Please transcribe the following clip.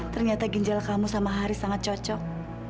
ternyata ginjal kamu sama haris sangat cocok